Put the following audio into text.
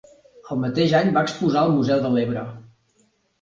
El mateix any va exposar al Museu de l'Ebre.